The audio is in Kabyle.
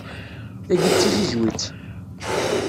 Tagi d tizizwit.